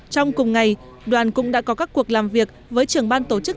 trong cùng ngày đoàn cũng đã có các cuộc làm việc với trưởng ban tổ chức